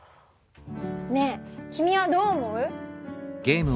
ねえ君はどう思う？